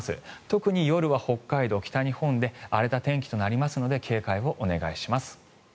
特に夜は北海道、北日本で荒れた天気となりますので警戒をお願いします。